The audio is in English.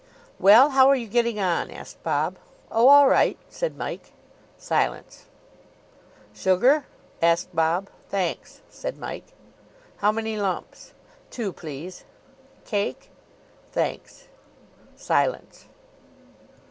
"Well, how are you getting on?" asked Bob. "Oh, all right," said Mike. Silence. "Sugar?" asked Bob. "Thanks," said Mike. "How many lumps?" "Two, please." "Cake?" "Thanks." Silence.